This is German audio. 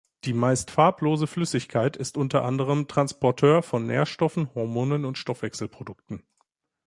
Die meist farblose Flüssigkeit ist unter anderem Transporteur von Nährstoffen, Hormonen und Stoffwechselprodukten.